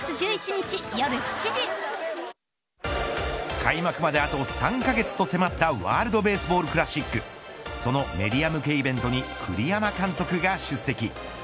開幕まであと３カ月と迫ったワールドベースボールクラシックそのメディア向けイベントに栗山監督が出席。